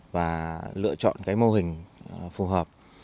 và lựa chọn cái mô hình phù hợp